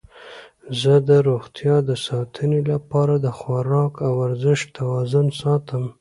زه د روغتیا د ساتنې لپاره د خواراک او ورزش توازن ساتم.